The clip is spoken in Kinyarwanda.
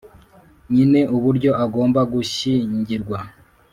nyine uburyo agomba gushyingirwa